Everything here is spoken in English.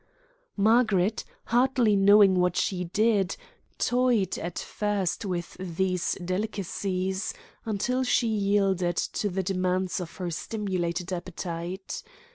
Margaret, hardly knowing what she did, toyed at first with these delicacies, until she yielded to the demands of her stimulated appetite.